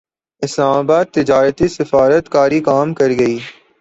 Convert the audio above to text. اسلام اباد تجارتی سفارت کاری کام کرگئی